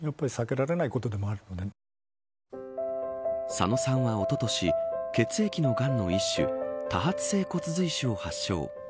佐野さんは、おととし血液のがんの一種多発性骨髄腫を発症。